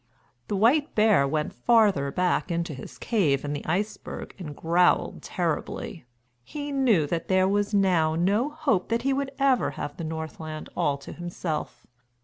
The white bear went farther back into his cave in the iceberg and growled terribly. He knew that there was now no hope that he would ever have the Northland all to himself.